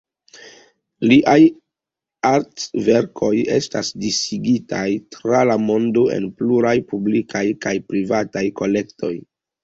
Liaj artverkoj estas disigitaj tra la mondo en pluraj publikaj kaj privataj kolektoj.